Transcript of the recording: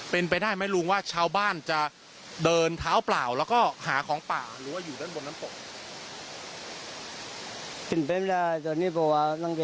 เป็นไปได้ไหมลุงว่าชาวบ้านจะเดินเท้าเปล่าแล้วก็หาของป่าหรือว่าอยู่ด้านบนน้ำตก